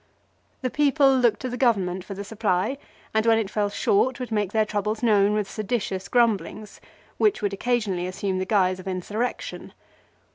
The people looked to the government for the supply, and when it fell short would make their troubles known with seditious grumblings, which would occasionally assume the guise of insurrection.